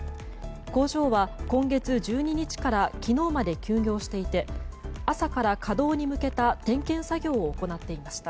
工場は今月１２日から昨日まで休業していて朝から稼働に向けた点検作業を行っていました。